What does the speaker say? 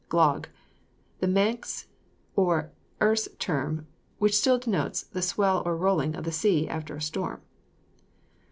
GLOG. The Manx or Erse term which denotes the swell or rolling of the sea after a storm.